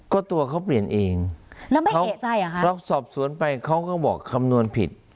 ก็ตัวเขาเปลี่ยนเองแล้วไม่เอกใจเหรอคะเพราะสอบสวนไปเขาก็บอกคำนวณผิด